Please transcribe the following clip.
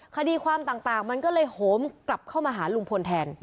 คดีความต่างมันก็เลยโหมกลับเข้ามาหาลุงพลแทน